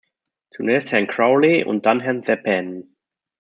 Zunächst Herrn Crowley und dann Herrn Seppänen.